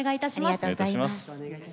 ありがとうございます。